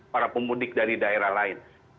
para pemudik dari daerah lain